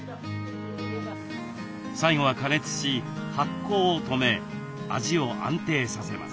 最後は過熱し発酵を止め味を安定させます。